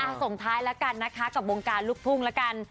ส่งท้ายแล้วกันนะคะกับวงการลูกทุ่งแล้วกัน